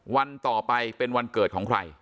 วันต่อไปเป็นวันเกิดของใคร